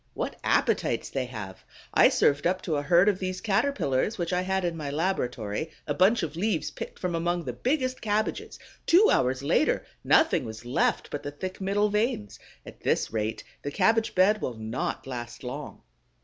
What appetites they have! I served up to a herd of these Caterpillars which I had in my laboratory a bunch of leaves picked from among the biggest cabbages: two hours later nothing was left but the thick middle veins. At this rate the cabbage bed will not last long.